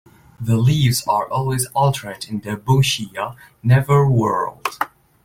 The leaves are always alternate in "Daboecia", never whorled.